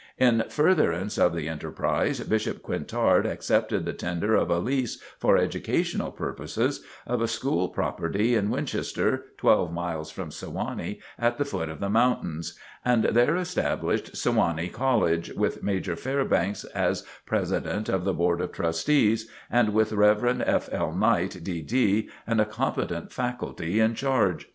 In furtherance of the enterprise, Bishop Quintard accepted the tender of a lease, for educational purposes, of a school property in Winchester, twelve miles from Sewanee, at the foot of the mountains; and there established "Sewanee College," with Major Fairbanks as President of the Board of Trustees, and with Rev. F. L. Knight, D. D., and a competent faculty in charge.